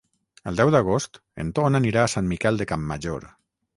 El deu d'agost en Ton anirà a Sant Miquel de Campmajor.